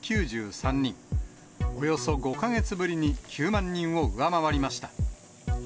およそ５か月ぶりに９万人を上回りました。